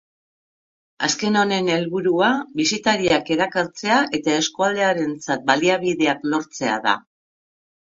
Azken honen helburua bisitariak erakartzea eta eskualdearentzat baliabideak lortzea da.